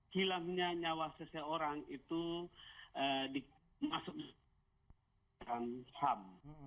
hilangnya nyawa seseorang itu dikonsumsi oleh komnas ham